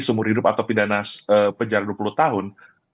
seumur hidup atau pidana penjara dua puluh tahun